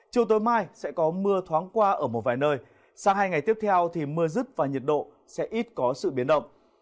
chiều tối mai sẽ có mưa thoáng qua ở một vài nơi sang hai ngày tiếp theo thì mưa rứt và nhiệt độ sẽ ít có sự biến động